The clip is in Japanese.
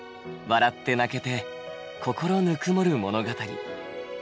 笑って泣けて心ぬくもる物語。